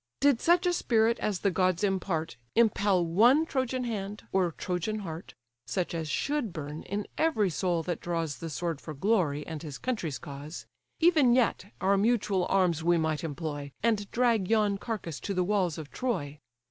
Did such a spirit as the gods impart Impel one Trojan hand or Trojan heart, (Such as should burn in every soul that draws The sword for glory, and his country's cause) Even yet our mutual arms we might employ, And drag yon carcase to the walls of Troy.